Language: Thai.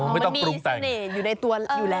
ไม่ต้องมีเสน่ห์อยู่ในตัวอยู่แล้ว